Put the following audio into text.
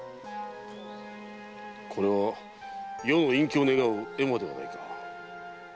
これは余の隠居を願う絵馬ではないか。